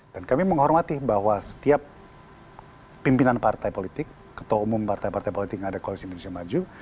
dan kami menghormati bahwa setiap pimpinan partai politik ketua umum partai partai politik yang ada koalisi maju